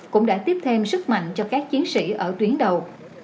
cũng đã tiếp thêm sức mạnh cho các chiến sĩ ở tuyến đầu